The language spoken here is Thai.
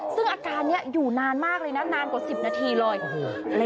ซึ่งอาการนี้อยู่นานมากเลยนะนานกว่า๑๐นาทีเลยโอ้โห